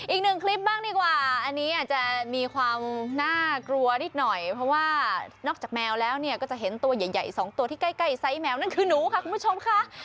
อีกหนึ่งคลิปบ้างดีกว่าอันนี้อาจจะมีความน่ากลัวนิดหน่อยเพราะว่านอกจากแมวแล้วเนี่ยก็จะเห็นตัวใหญ่๒ตัวที่ใกล้ไซสแมวนั่นคือหนูค่ะคุณผู้ชมค่ะ